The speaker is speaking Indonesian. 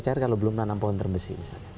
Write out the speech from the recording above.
cair kalau belum menanam pohon termesi